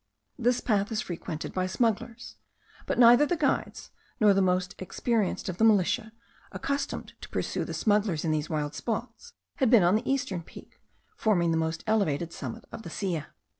This path is frequented by smugglers, but neither the guides, nor the most experienced of the militia, accustomed to pursue the smugglers in these wild spots, had been on the eastern peak, forming the most elevated summit of the Silla.